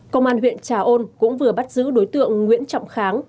công an huyện trà ôn cũng vừa bắt giữ đối tượng nguyễn trọng kháng